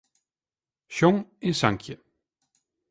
Sjong in sankje.